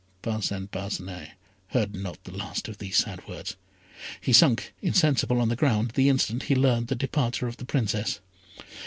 Parcin Parcinet heard not the last of these sad words. He had sunk insensible on the ground the instant he learned the departure of the Princess.